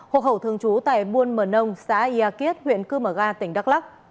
hộ hậu thường trú tại buôn mờ nông xã yà kiết huyện cư mở ga tỉnh đắk lắc